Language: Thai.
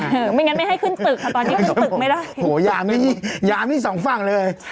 ไม่งั้นไม่ให้ขึ้นตึกค่ะตอนนี้ขึ้นตึกไม่ได้โหยามนี่ยามนี่สองฝั่งเลย